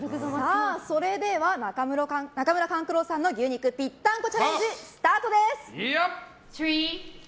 それでは、中村勘九郎さんの牛肉ぴったんこチャレンジスタートです！